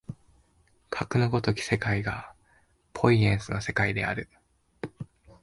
かくの如き世界がポイエシスの世界である。